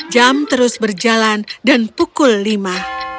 jam terus berjalan dan pukul lima